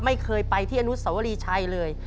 ไม่เคยไปที่อนุสวรีชัยเลย